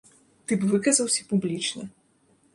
Ты б выказаўся публічна?